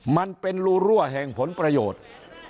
มันเป็นรูรั่วแห่งผลประโยชน์